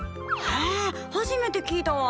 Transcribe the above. へえ初めて聞いたわ。